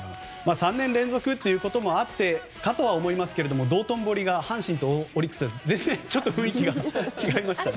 ３年連続ということもあってかとは思いますが道頓堀が阪神とオリックスだと全然雰囲気が違いましたね。